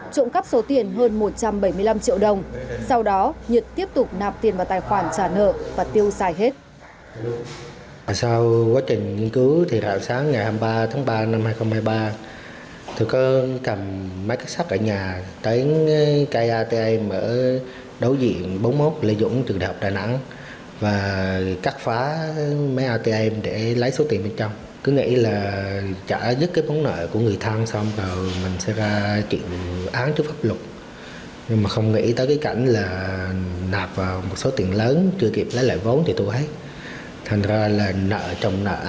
trộn cắp số tiền hơn một trăm bảy mươi năm triệu đồng sau đó nhật tiếp tục nạp tiền vào tài khoản trả nợ và tiêu xài hết